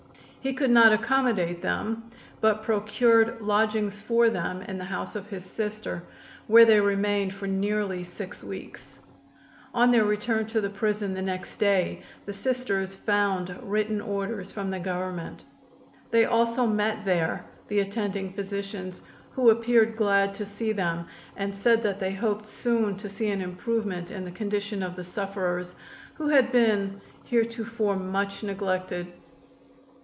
He could not accommodate them, but procured lodgings for them in the house of his sister, where they remained for nearly six weeks. On their return to the prison the next day the Sisters found written orders from the Government. They also met there the attending physicians, who appeared glad to see them and said that they hoped soon to see an improvement in the condition of the sufferers, who had been heretofore much neglected.